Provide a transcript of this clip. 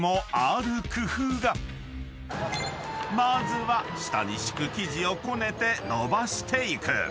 ［まずは下に敷く生地をこねて延ばしていく］